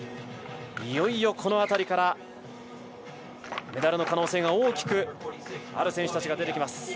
いよいよこの辺りからメダルの可能性が大きくある選手たちが出てきます。